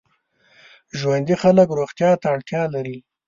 ژوندي خلک روغتیا ته اړتیا لري